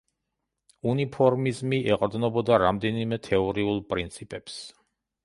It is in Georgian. უნიფორმიზმი ეყრდნობოდა რამდენიმე თეორიულ პრინციპებს.